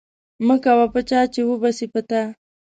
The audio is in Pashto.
مه کوه په چا، چي و به سي په تا.